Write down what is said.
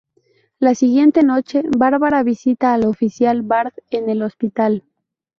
La siguiente noche, Bárbara visita al oficial Bard en el hospital.